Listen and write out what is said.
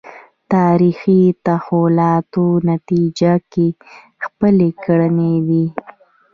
تاریخي تحولاتو نتیجه کې خپلې کړې دي